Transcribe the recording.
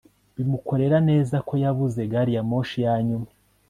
bimukorera neza ko yabuze gari ya moshi ya nyuma